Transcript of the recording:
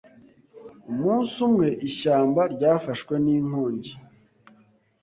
Umunsi umwe ishyamba ryafashwe n’inkongi